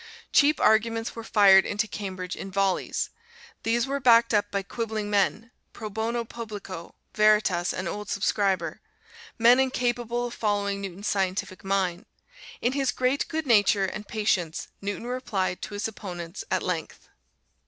Cheap arguments were fired into Cambridge in volleys. These were backed up by quibbling men Pro Bono Publico, Veritas and Old Subscriber men incapable of following Newton's scientific mind. In his great good nature and patience Newton replied to his opponents at length.